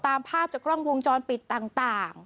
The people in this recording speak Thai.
ตามภาพจากกล้องวงจรปิดต่าง